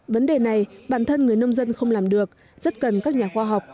vấn đề này bản thân người nông dân không làm được rất cần các nhà khoa học